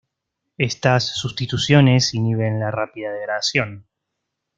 Estas sustituciones inhiben la rápida degradación.